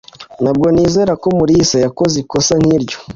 ntabwo nizera ko mulisa yakoze ikosa nk'iryo